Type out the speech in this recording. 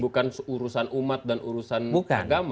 bukan urusan umat dan urusan agama